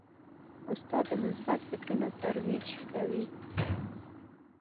استاد د مثبت فکرونو ترویج کوي.